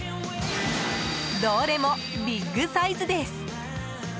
どれもビッグサイズです。